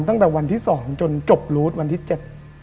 ตั้งแต่วันที่สองจนจบรูดวันที่เจ็ด